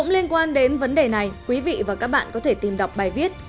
liên quan đến vấn đề này quý vị và các bạn có thể tìm đọc bài viết